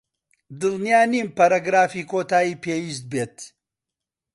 دڵنیا نیم پەرەگرافی کۆتایی پێویست بێت.